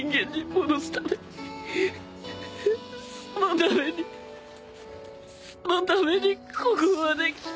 そのためにそのためにここまできたのに。